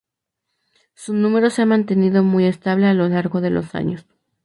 Su número se ha mantenido muy estable a lo largo de los años.